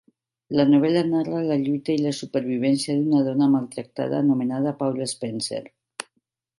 La novel·la narra la lluita i la supervivència d'una dona maltractada anomenada Paula Spencer.